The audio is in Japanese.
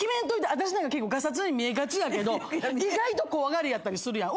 私なんか結構がさつに見えがちやけど意外と怖がりやったりするやん。